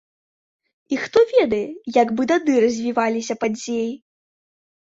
І хто ведае, як бы тады развіваліся падзеі.